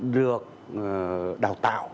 được đào tạo